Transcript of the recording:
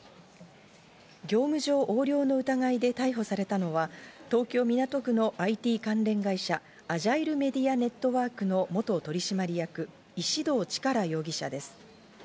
業務上横領の疑いで逮捕されたのは東京・港区のＩＴ関連会社、アジャイルメディア・ネットワークの元取締役・石動力容疑者です。